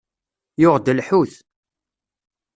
Yuɣ-d lḥut.